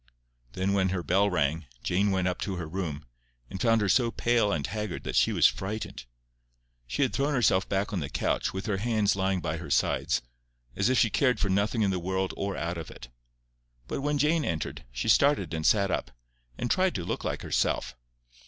Then when her bell rang, Jane went up to her room, and found her so pale and haggard that she was frightened. She had thrown herself back on the couch, with her hands lying by her sides, as if she cared for nothing in this world or out of it. But when Jane entered, she started and sat up, and tried to look like herself.